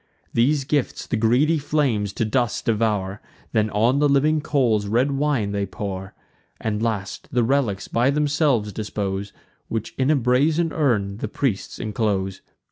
These gifts the greedy flames to dust devour; Then on the living coals red wine they pour; And, last, the relics by themselves dispose, Which in a brazen urn the priests inclose.